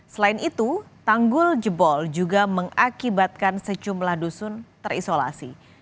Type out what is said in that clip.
selain itu tanggul jebol juga mengakibatkan sejumlah dusun terisolasi